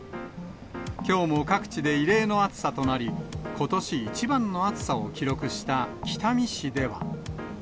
きょうも各地で異例の暑さとなり、ことし一番の暑さを記録した北見市では。